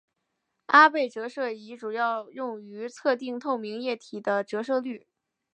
阿贝折射仪主要用于测定透明液体的折射率。